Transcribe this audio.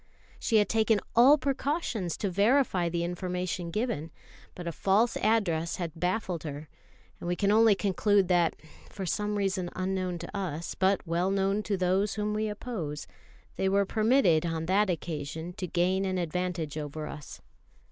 She had taken all precautions to verify the information given, but a false address had baffled her; and we can only conclude that, for some reason unknown to us, but well known to those whom we oppose, they were permitted on that occasion to gain an advantage over us.